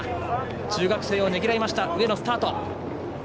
中学生をねぎらって上野、スタート。